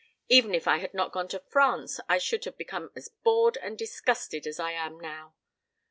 Even if I had not gone to France I should have become as bored and disgusted as I am now.